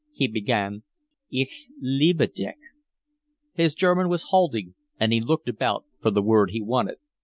He began: "Ich liebe dich." His German was halting, and he looked about for the word he wanted.